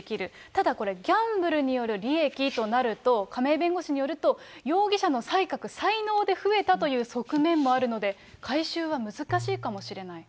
ただこれ、ギャンブルによる利益となると、亀井弁護士によると、容疑者の才覚、才能で増えたという側面もあるので、回収は難しいかもしれない。